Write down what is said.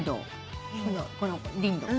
この子リンドウ。